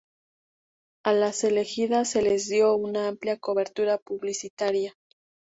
A las elegidas se les dio una amplia cobertura publicitaria.